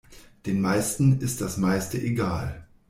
Den meisten ist das meiste egal.